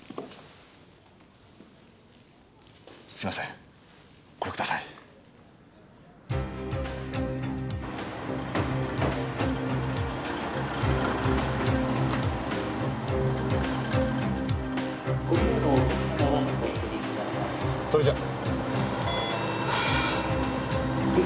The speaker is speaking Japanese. すいませんこれください。それじゃあ。